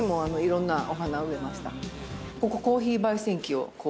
ここコーヒー焙煎機をこう。